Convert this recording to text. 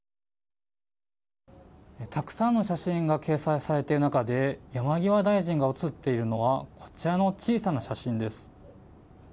たくさんの写真が掲載されている中で山際大臣が写っているのはこちらの小さな写真です。